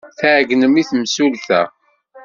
Tɛeyynem i temsulta.